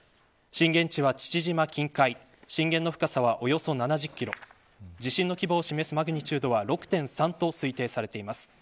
震源地は父島近海震源の深さはおよそ７０キロ地震の規模を示すマグニチュードは６．３と推定されています。